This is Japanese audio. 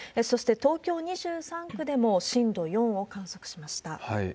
そして、東京２３区でも震度４を観測しました。